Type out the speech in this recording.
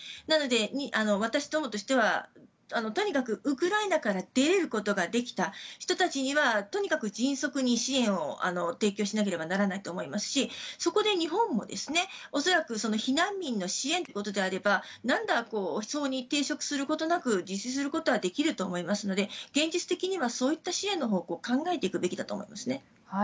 なので、私どもとしてはとにかくウクライナから出れることができた人たちにはとにかく迅速に支援を提供しなければならないと思いますしそこで日本も恐らく避難民の支援ということであればなんら法に抵触することなく実施することはできると思いますので現実的にはそういった支援の方向を考えていくべきだと思いますね。